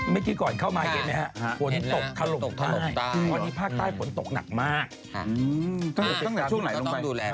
มันต้องดูแล